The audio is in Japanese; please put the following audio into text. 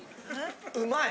うまい！